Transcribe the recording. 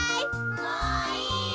・もういいよ。